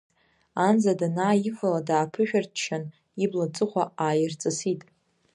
Амза данааивала, дааԥышәырччан, ибла аҵыхәа ааирҵысит.